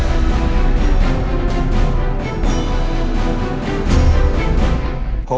มีราชาจิตภัทรประเภท